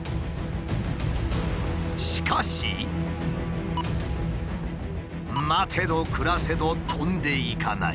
しかし待てど暮らせど飛んでいかない。